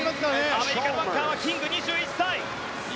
アメリカのアンカーはキング、２２歳。